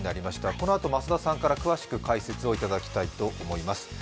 このあと、増田さんから詳しく解説いただきたいと思います。